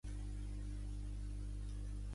L'altre dia el vaig veure per Barx.